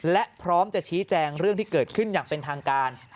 และพร้อมจะชี้แจงเรื่องที่เกิดขึ้นอย่างเป็นทางการ